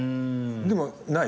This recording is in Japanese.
でもない？